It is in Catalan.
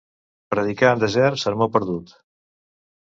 Predicar en desert, sermó perdut.